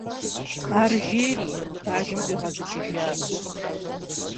- Ар жери, бажэм ӏуигъэзыкӏыжащ.